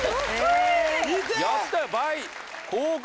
やったよ倍！